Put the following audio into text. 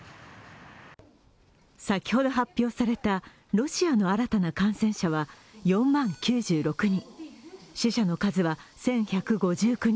先ほど発表された、ロシアの新たな感染者は４万９６人。